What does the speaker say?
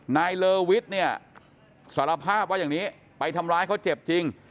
เลอวิทย์เนี่ยสารภาพว่าอย่างนี้ไปทำร้ายเขาเจ็บจริง